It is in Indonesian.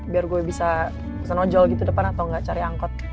biar gue bisa bisa nojol gitu depan atau gak cari angkot